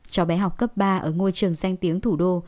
cho bé học cấp ba ở ngôi trường danh tiếng thủ đô